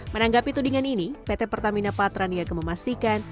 menanggapi tudingan ini pt pertamina patran iya kememastikan